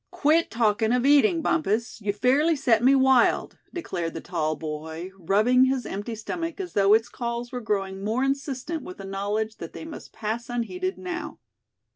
"Quit talkin' of eating, Bumpus; you fairly set me wild," declared the tall boy, rubbing his empty stomach, as though its calls were growing more insistent with a knowledge that they must pass unheeded now.